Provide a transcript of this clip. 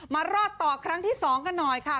มารอดต่อครั้งที่๒กันหน่อยค่ะ